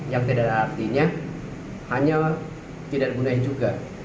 yang tidak artinya hanya tidak dibunai juga